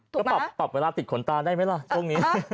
ก็ปรับเวลาติดขนตาได้ไหมล่ะช่วงนี้